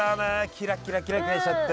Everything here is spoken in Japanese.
キラキラキラキラしちゃって。